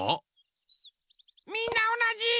みんなおなじ！